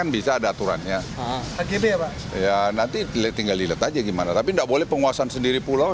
belum tahu lihat dulu